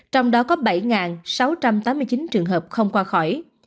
trong đó có bảy sáu trăm tám mươi chín trường hợp không qua khỏi